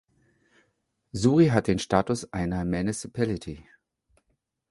Suri hat den Status einer Municipality.